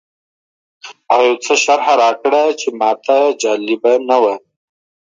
موږ بیرته د هارډینګ ورونو دکان ته لاړو.